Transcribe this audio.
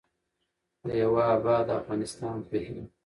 د یوه اباد افغانستان په هیله.